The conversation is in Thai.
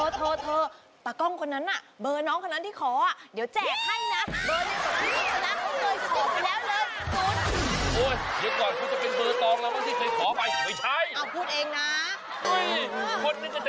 โอ้ยโอ้ยโอ้ยโอ้ยโอ้ยโอ้ยโอ้ยโอ้ยโอ้ยโอ้ยโอ้ยโอ้ยโอ้ยโอ้ยโอ้ยโอ้ยโอ้ยโอ้ยโอ้ยโอ้ยโอ้ยโอ้ยโอ้ยโอ้ยโอ้ยโอ้ยโอ้ยโอ้ยโอ้ยโอ้ยโอ้ยโอ้ยโอ้ยโอ้ยโอ้ยโอ้ยโอ้ยโอ้ยโอ้ยโอ้ยโอ้ยโอ้ยโอ้ยโอ้ยโ